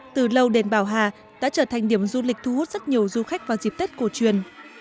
từ lâu đền bảo hà đã trở thành điểm du lịch thu hút rất nhiều du khách vào dịp tết cổ truyền